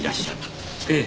ええ。